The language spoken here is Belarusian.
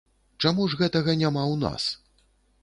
Чаму ж гэтага няма ў нас?